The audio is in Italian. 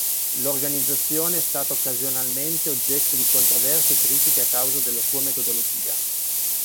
L'organizzazione è stata occasionalmente oggetto di controversie e critiche a causa della sua metodologia.